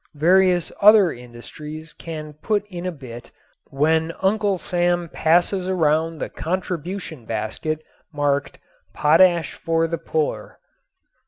Various other industries can put in a bit when Uncle Sam passes around the contribution basket marked "Potash for the Poor."